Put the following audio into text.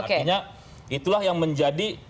artinya itulah yang menjadi